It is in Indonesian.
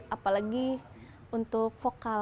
apalagi untuk vokal